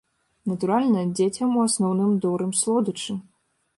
Натуральна, дзецям у асноўным дорым слодычы.